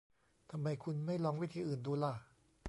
ทำไมคุณไม่ลองวิธีอื่นดูล่ะ